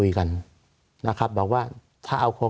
สวัสดีครับทุกคน